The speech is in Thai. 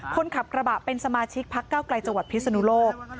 คนขับกระบะเป็นสมาชิกพักเก้าไกลจังหวัดพิศนุโลก